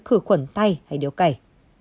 khử khuẩn tay hay điếu cày